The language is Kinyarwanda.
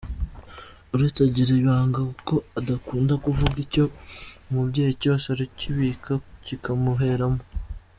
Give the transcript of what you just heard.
Oreste agira ibanga kuko adakunda kuvuga icyo umubwiye cyose arakibika kikamuheramo.